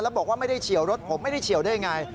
แล้วบอกว่าไม่ได้เฉียวรถผมไม่ได้เฉียวได้ยังไง